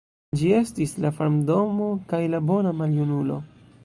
Ĝi estis la farmdomo kaj la bona maljunulo.